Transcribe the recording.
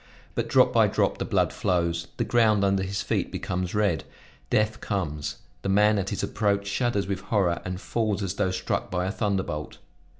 But drop by drop the blood flows, the ground under his feet becomes red; death comes; the man, at his approach, shudders with horror and falls as though struck by a thunderbolt.